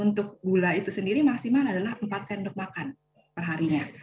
untuk gula itu sendiri maksimal adalah empat sendok makan perharinya